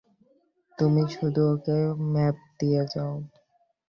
তুমি শুধু ওকে মাপ দিয়ে দাও।